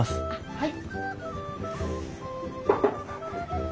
はい。